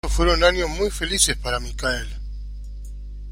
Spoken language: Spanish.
Estos fueron años muy felices para Michael.